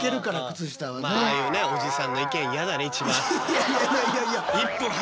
いやいやいやいやいや！